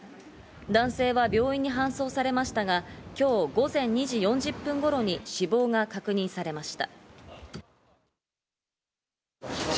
男性は病院に搬送されましたが、今日午前２時４０分頃に死亡が確認されました。